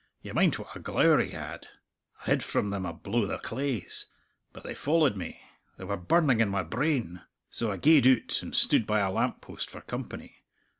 Ye mind what a glower he had! I hid from them ablow the claes; but they followed me they were burning in my brain. So I gaed oot and stood by a lamp post for company.